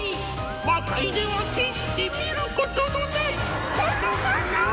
魔界では決して見ることのないこの花を！